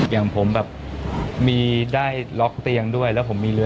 อย่างผมแบบมีได้ล็อกเตียงด้วยแล้วผมมีเรือ